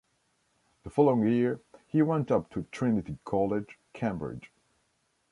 The following year he went up to Trinity College, Cambridge.